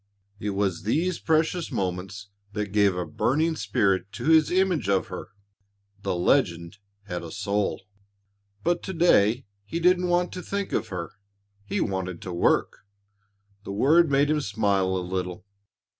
It was these precious moments that gave a burning spirit to his image of her. The legend had a soul. But to day he didn't want to think of her. He wanted to work. The word made him smile a little.